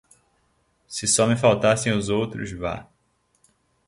Se só me faltassem os outros, vá